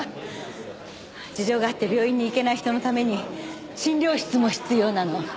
事情があって病院に行けない人のために診療室も必要なの。